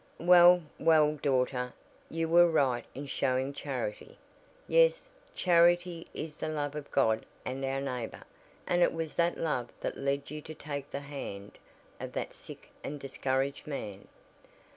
"Well, well, daughter; you were right in showing charity. Yes, charity is the love of God and our neighbor, and it was that love that led you to take the hand of that sick and discouraged man.